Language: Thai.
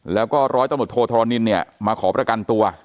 แล้วก็ร้อยตำรวจโทธรณินเนี่ยมาขอประกันตัว